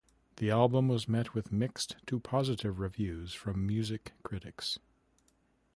The album was met with mixed to positive reviews from music critics.